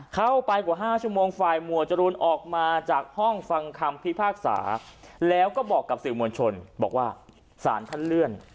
เข้าไปกว่า๕ชั่วโมงฝ่ายหมวดจรูนออกมาจากห้องฟังคำพิพากษาแล้วก็บอกกับสื่อมวลชนบอกว่าสารท่านเลื่อน